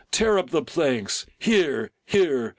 — tear up the planks! — here, here!